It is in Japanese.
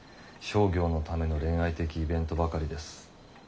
商業のための恋愛的イベントばかりです。